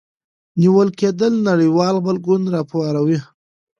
نیول کېدل نړیوال غبرګون راوپاروه.